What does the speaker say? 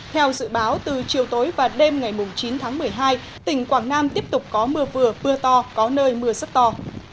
theo dự báo từ chiều tối và đêm ngày chín tháng một mươi hai tỉnh quảng nam tiếp tục có mưa vừa mưa to có nơi mưa rất to